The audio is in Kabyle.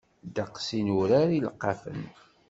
Ddeqs i nurar ileqqafen.